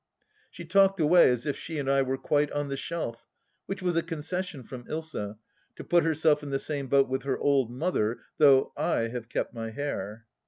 She talked away as if she and I were quite on the shelf, which was a concession from Ilsa, to put herself in the same boat with her old mother, though I have kept my hair.